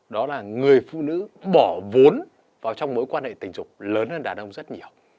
đó là người phụ nữ bỏ vốn vào trong mối quan hệ tình dục lớn hơn đà đông rất nhiều